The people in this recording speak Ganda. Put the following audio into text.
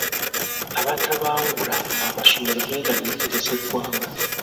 Abatabangula amasomero beeraliikiriza eggwanga.